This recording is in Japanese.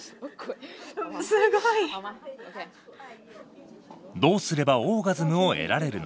どうすればオーガズムを得られるのか。